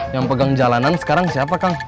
yang pegang jalanan sekarang siapa kang